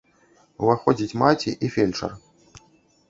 Уваходзіць маці і фельчар.